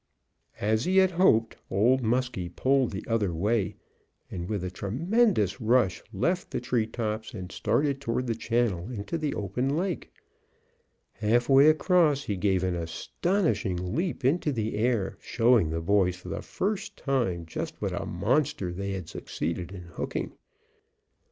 As he had hoped, Old Muskie pulled the other way, and with a tremendous rush, left the treetops, and started toward the channel into the open lake. Half way across he gave an astonishing leap into the air, showing the boys for the first time just what a monster they had succeeded in hooking.